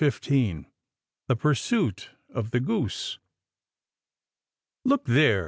CHAPTER XV THE PURSUIT OF THE GOOSE " Look there